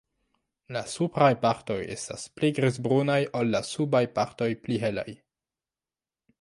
La supraj partoj estas pli grizbrunaj ol la subaj partoj pli helaj.